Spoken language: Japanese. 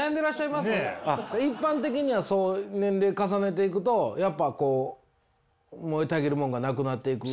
一般的には年齢重ねていくとやっぱこう燃えたぎるものがなくなっていく。